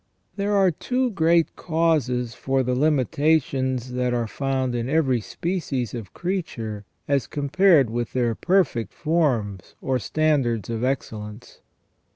There are two great causes for the limitations that are found in every species of creature as compared with their perfect forms or standards of excellence.